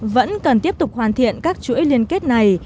vẫn cần tiếp tục hoàn thiện các chuỗi liên kết này